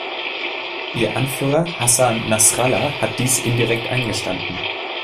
Ihr Anführer, Hassan Nasrallah, hat dies indirekt eingestanden.